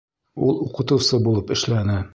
Ул уҡытыусы булып эшләне